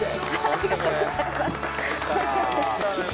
ありがとうございます。